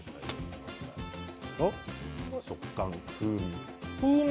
食感、風味。